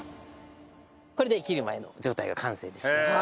これで切る前の状態が完成ですね。